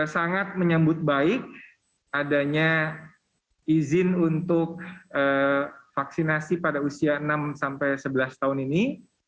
sangat menyambut baik adanya izin untuk vaksinasi pada usia enam sampai sebelas tahun ini